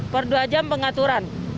per dua jam pengaturan